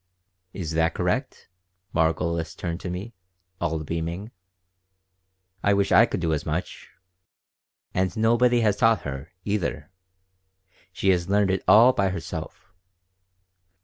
"Is that correct?" Margolis turned to me, all beaming. "I wish I could do as much. And nobody has taught her, either. She has learned it all by herself.